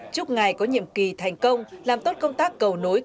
chúc ngài có nhiệm kỳ thành công làm tốt công tác cầu nối